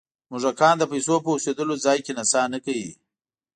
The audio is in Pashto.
موږکان د پیسو په اوسېدلو ځای کې نڅا نه کوي.